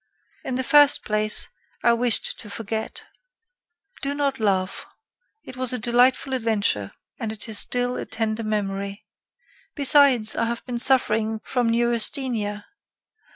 "In the first place, I wished to forget. Do not laugh; it was a delightful adventure and it is still a tender memory. Besides, I have been suffering from neurasthenia.